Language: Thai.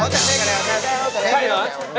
จัดเลยแค่ป่ะ